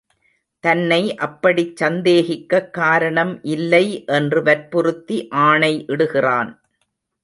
தன்னை அப்படிச் சந்தேகிக்கக் காரணம் இல்லை என்று வற்புறுத்தி ஆணை இடுகிறான்.